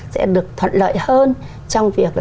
sẽ được thuận lợi hơn trong việc